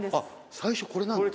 最初これなの？